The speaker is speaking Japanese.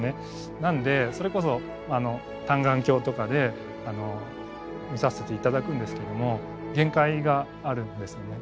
なのでそれこそ単眼鏡とかで見させていただくんですけれども限界があるんですよね。